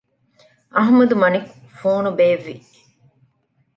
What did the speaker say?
އަޙްމަދު މަނިކު ފޯނު ބޭއްވި